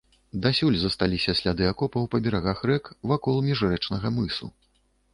Дасюль засталіся сляды акопаў па берагах рэк вакол міжрэчнага мысу.